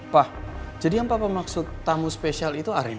pak jadi yang papa maksud tamu spesial itu ari